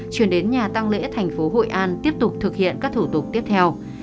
chuyển đến nhà tăng lễ thành phố hội an tiếp tục thực hiện các thủ tục tiếp theo